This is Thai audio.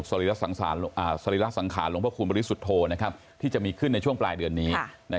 รีระสังขารหลวงพระคุณบริสุทธโธที่จะมีขึ้นในช่วงปลายเดือนนี้